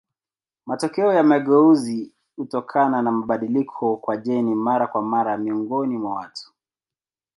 Matokeo ya mageuzi hutokana na mabadiliko kwa jeni mara kwa mara miongoni mwa watu.